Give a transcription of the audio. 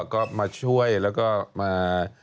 ก็มาช่วยแล้วก็มา